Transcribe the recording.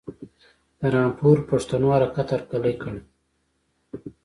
د رامپور پښتنو حرکت هرکلی کړی.